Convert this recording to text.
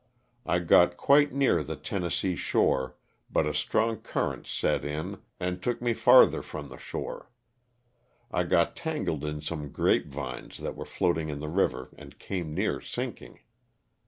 I got quite near the Tennessee shore LOSS OF THE SULTANA. 369 but a strong current set in and took me farther from the shore. I got tangled in some grape vines that were floating in the river and came near sinking.